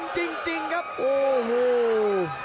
จริงครับโอ้โห